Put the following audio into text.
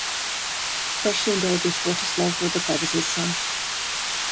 Russian Indologist Rostislav Rybakov is his son.